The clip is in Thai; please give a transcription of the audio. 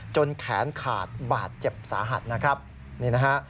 แขนขาดบาดเจ็บสาหัสนะครับนี่นะฮะ